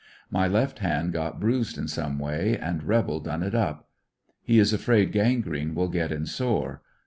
My left hand got bruised in some way and rebel done it up. He is afraid gangrene will get in sore.